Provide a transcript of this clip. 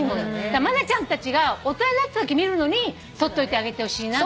だから真ちゃんたちが大人になったときに見るのに取っといてあげてほしいな。